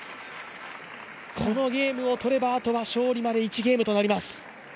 このゲームを取ればあとは勝利まで１ゲームとなります。